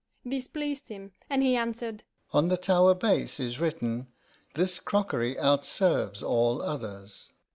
This pleased him, and he answered, 'On the tower base is written, This crockery outserves all others.